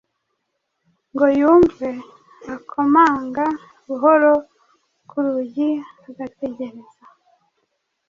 ngo yumvwe, akomanga buhoro ku rugi agategereza